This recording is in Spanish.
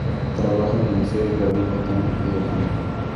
Trabaja en el Museo y Jardín botánico de Oslo.